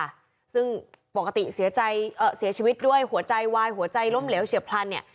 จึงปกติเสียชีวิตด้วยหัวใจวายหัวใจล้มเหลวเฉียบพลันเนี่ย